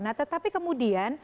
nah tetapi kemudian